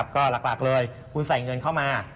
ก็หลักเลยคุณใส่เงินเข้ามา